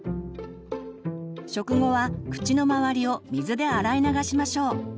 食後は口の周りを水で洗い流しましょう。